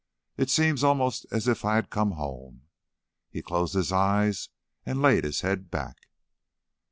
It seems almost as if I had come home." He closed his eyes and laid his head back.